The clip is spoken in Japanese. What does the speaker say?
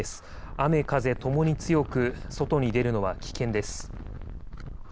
雨風ともに強く外に出るのは危険です。